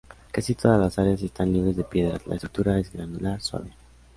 Casi todas las áreas están libres de piedras, la estructura es granular suave.